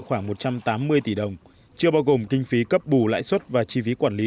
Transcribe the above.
khoảng một trăm tám mươi tỷ đồng chưa bao gồm kinh phí cấp bù lãi suất và chi phí quản lý